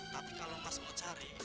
tapi kalo mas mau cari